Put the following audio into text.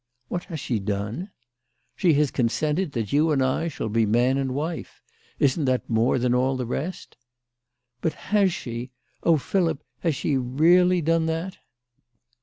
" What has she done ?"" She has consented that you and I shall be man and wife. Isn't that more than all the rest ?" "But has she? Oh, Philip, has she really done that?"